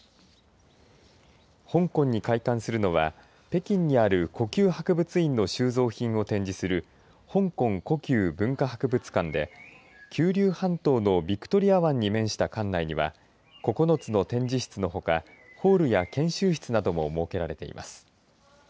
香港に開館するのは北京にある故宮博物院の収蔵品を展示する香港故宮文化博物館で九龍半島のビクトリア湾に面した館内には９つの展示室のほかホールや研修室なども設けられています。